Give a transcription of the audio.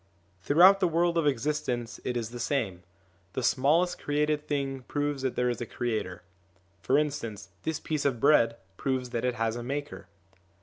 Throughout the world of existence it is the same ; the smallest created thing proves that there is a ON THE INFLUENCE OF THE PROPHETS 7 creator. For instance, this piece of bread proves that it has a maker.